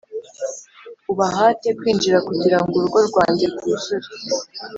ubahate kwinjira kugira ngo urugo rwanjye rwuzure